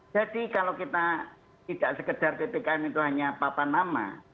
kalau kita tidak sekedar bpkn itu hanya papan nama